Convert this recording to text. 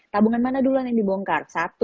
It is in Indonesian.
tabungan mana duluan yang dibongkar